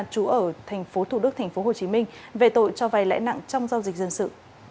trú ở tp thủ đức tp hcm về tội cho vai lãi nặng trong giao dịch dân sự